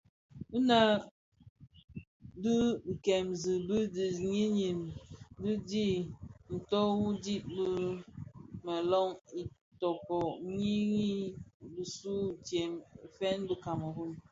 Nnë dhi dimzi di dhiyis di dhi nto u dhid bi dimuloň Itoko ki yin bisuu ntsem fè bi kameroun,